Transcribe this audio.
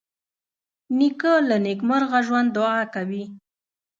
نیکه له نیکمرغه ژوند دعا کوي.